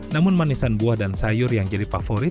namun manisan buah dan sayur yang jadi favorit